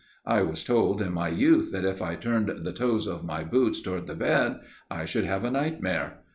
I was told in my youth, that if I turned the toes of my boots toward the bed, I should have a nightmare.